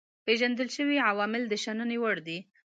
پيژندل شوي عوامل د شنني وړ دي.